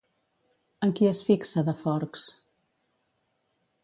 En qui es fixa de Forks?